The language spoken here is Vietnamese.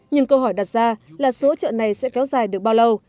nhưng câu hỏi đặt ra là số trợ này sẽ kéo dài được bao lâu